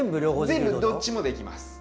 全部どっちもできます。